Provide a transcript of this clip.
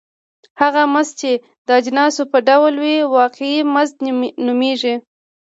هغه مزد چې د اجناسو په ډول وي واقعي مزد نومېږي